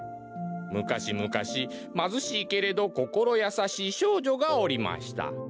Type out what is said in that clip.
「むかしむかしまずしいけれどこころやさしいしょうじょがおりました。